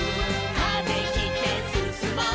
「風切ってすすもう」